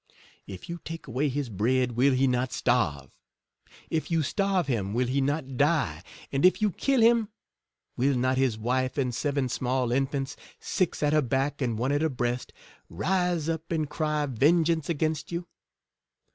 If you take away his bread, will he not starve ? If you starve him, will he not die? And if you kill him, will not his wife and seven small infants, six at her back and one at her breast, rise up and cry vengeance against you